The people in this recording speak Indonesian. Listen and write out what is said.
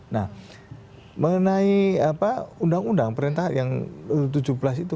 nah mengenai undang undang perintah yang tujuh belas itu